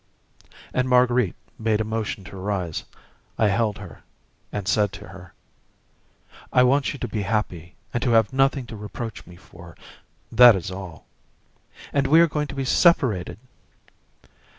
And Marguerite made a motion to rise; I held her, and said to her: "I want you to be happy and to have nothing to reproach me for, that is all." "And we are going to be separated!"